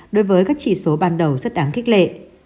đối với các chỉ số ban đầu rất đáng khích lệ